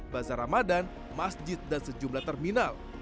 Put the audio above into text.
bazar ramadan masjid dan sejumlah terminal